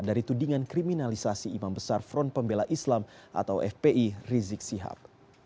dari tudingan kriminalisasi imam besar front pembela islam atau fpi rizik sihab